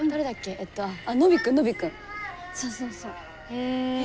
へえ。